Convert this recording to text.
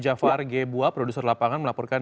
jafar gebuah produser lapangan melaporkan